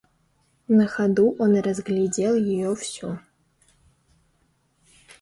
На ходу он разглядел ее всю.